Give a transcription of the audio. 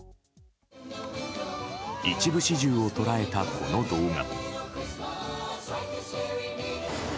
一部始終を捉えた、この動画。